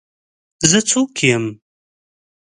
زه څوک یم؟